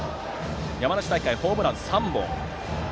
山梨大会、ホームラン３本。